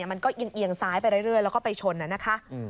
มันก็เอียงซ้ายไปเรื่อยแล้วก็ไปชนนะคะ